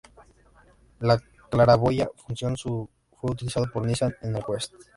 La claraboya función fue utilizado por Nissan en el Quest.